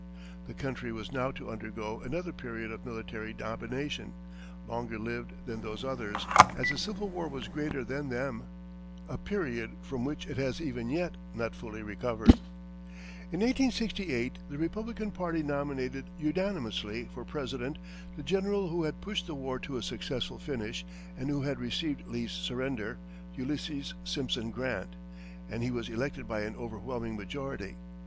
The country was now to undergo another period of military domination, longer lived than those others, as the Civil War was greater than them a period from which it has even yet not fully recovered. In 1868, the Republican party nominated unanimously for President the general who had pushed the war to a successful finish, and who had received Lee's surrender, Ulysses Simpson Grant, and he was elected by an overwhelming majority.